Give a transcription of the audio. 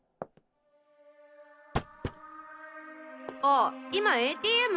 あ今ＡＴＭ。